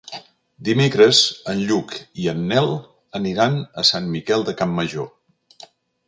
Dimecres en Lluc i en Nel aniran a Sant Miquel de Campmajor.